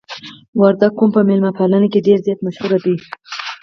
وردګ قوم په میلمه پالنه کې ډیر زیات مشهور دي.